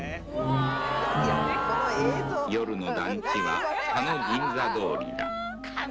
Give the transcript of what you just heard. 夜の団地は、蚊の銀座通り。